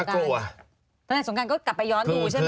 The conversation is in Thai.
น่ากลัวก็กลับไปย้อนดูใช่ไหม